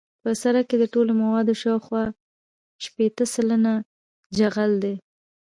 په سرک کې د ټولو موادو شاوخوا شپیته سلنه جغل دی